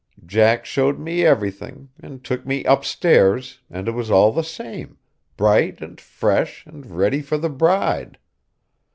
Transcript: Jack showed me everything, and took me upstairs, and it was all the same: bright and fresh and ready for the bride.